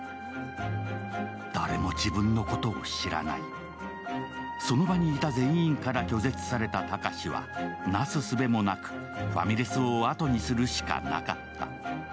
誰も自分のことを知らないその場にいた全員から拒絶された高志はなすすべもなくファミレスをあとにするしかなかった。